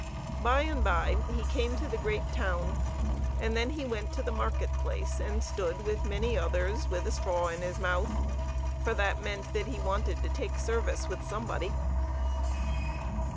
By and by he came to the great town, and then he went to the market place and stood, with many others, with a straw in his mouth for that meant that he wanted to take service with somebody.